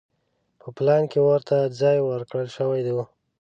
په پلان کې ورته ځای ورکړل شوی و.